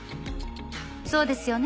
そうですよね？